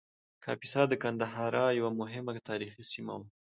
کاپیسا د ګندهارا یوه مهمه تاریخي سیمه وه